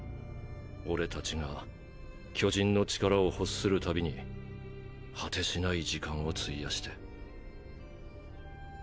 俺たちが巨人の力を欲する度に果てしない時間を費やして。